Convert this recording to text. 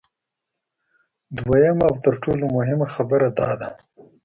دویمه او تر ټولو مهمه خبره دا ده